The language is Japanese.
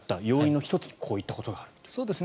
要因の１つにこういったことがある。